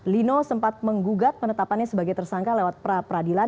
lino sempat menggugat penetapannya sebagai tersangka lewat pra peradilan